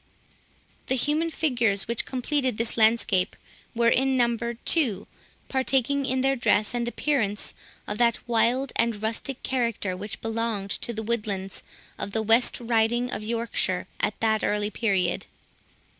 The human figures which completed this landscape, were in number two, partaking, in their dress and appearance, of that wild and rustic character, which belonged to the woodlands of the West Riding of Yorkshire at that early period.